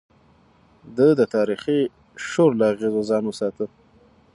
ده د تاريخي شور له اغېزو ځان وساته.